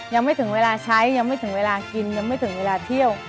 ยังไม่ถึงเวลาใช้ยังไม่ถึงเวลากินยังไม่ถึงเวลาเที่ยว